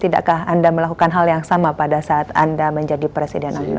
tidakkah anda melakukan hal yang sama pada saat anda menjadi presiden